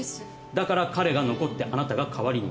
だから彼が残ってあなたが代わりに？